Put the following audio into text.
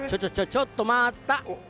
ちょっと待った！